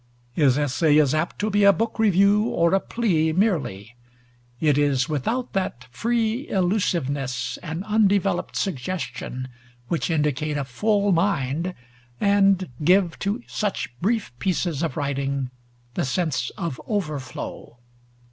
His essay is apt to be a book review or a plea merely; it is without that free illusiveness and undeveloped suggestion which indicate a full mind and give to such brief pieces of writing the sense of overflow.